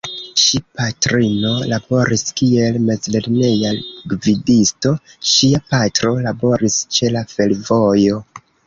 Ŝi patrino laboris kiel mezlerneja gvidisto, ŝia patro laboris ĉe la fervojo.